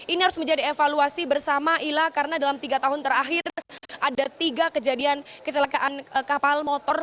ini harus menjadi evaluasi bersama ila karena dalam tiga tahun terakhir ada tiga kejadian kecelakaan kapal motor